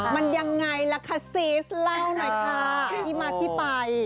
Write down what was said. มันยังไงล่ะคะซีสเล่าหน่อยค่ะที่มาที่ไป